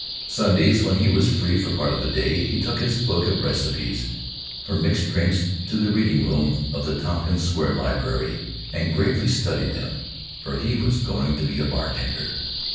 Sundays, when he was free for part of the day, he took his book of recipes for mixed drinks to the reading room of the Tompkins Square library and gravely studied them, for he was going to be a bartender.